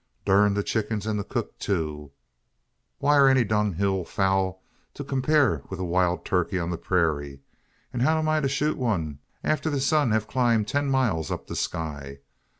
"Durn the chickens, an the cook too! What air any dung hill fowl to compare wi' a wild turkey o' the purayra; an how am I to shoot one, arter the sun hev clomb ten mile up the sky?